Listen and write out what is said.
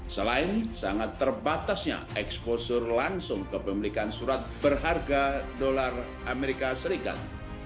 selain sangat terbatasnya eksposur langsung ke pemilikan surat berharga dolar amerika serikat